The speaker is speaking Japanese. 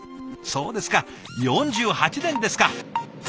そうですか４８年ですか。